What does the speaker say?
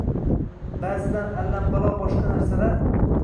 Baʼzidan allambalo boshqa narsalar.